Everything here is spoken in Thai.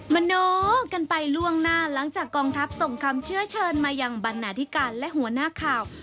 โน้กันไปล่วงหน้าหลังจากกองทัพส่งคำเชื่อเชิญมายังบรรณาธิการและหัวหน้าข่าว